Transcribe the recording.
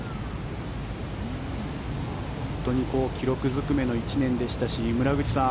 本当に記録ずくめの１年でしたし村口さん